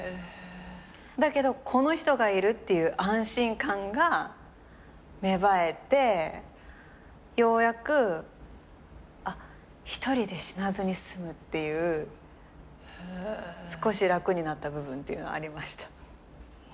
だけどこの人がいるっていう安心感が芽生えてようやく一人で死なずに済むっていう少し楽になった部分っていうのありました。